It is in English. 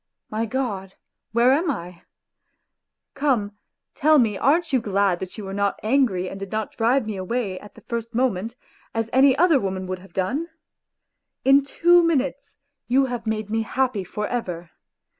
... My God, where am I ? Come, tell me aren't you glad that you were not angry and did not drive me away at the first moment, as any other woman would have done ? In two minutes you have made me happy for ever.